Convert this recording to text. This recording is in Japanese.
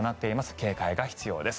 警戒が必要です。